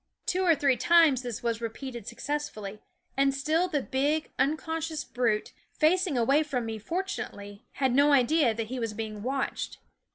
Two or three times this was repeated suc cessfully, and still the big, unconscious brute, facing away from me fortunately, had no idea that he was being watched.